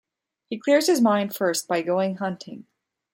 He clears his mind first by going hunting.